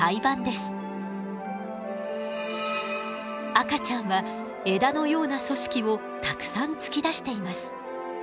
赤ちゃんは枝のような組織をたくさん突き出しています。